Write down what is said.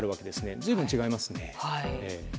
随分、違いますね。